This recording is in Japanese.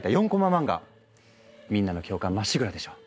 漫画みんなの共感まっしぐらでしょう？